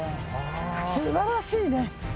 すばらしいね。